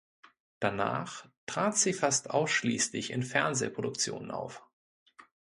Danach trat sie fast ausschließlich in Fernsehproduktionen auf.